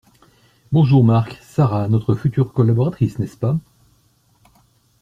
bonjour Marc, Sara, notre future collaboratrice – n’est-ce pas?